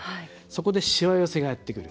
そこで、しわ寄せがやってくる。